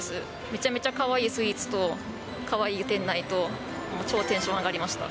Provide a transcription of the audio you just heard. めちゃめちゃかわいいスイーツと、かわいい店内と、超テンション上がりました。